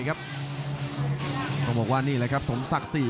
รับทราบบรรดาศักดิ์